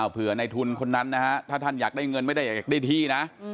ในทุนคนนั้นนะฮะถ้าท่านอยากได้เงินไม่ได้อยากได้ที่นะ